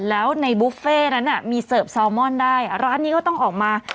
แล้วในบุฟเฟ่นั้นมีเสิร์ฟแซลมอนได้ร้านนี้ก็ต้องออกมา